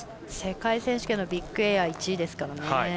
世界選手権のビッグエア１位ですからね。